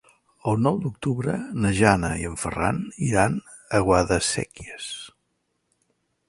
El nou d'octubre na Jana i en Ferran iran a Guadasséquies.